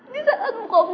di saat gue kompul